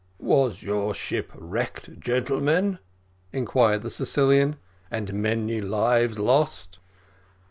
"Was your ship wrecked, gentlemen?" inquired the Sicilian, "and many lives lost?"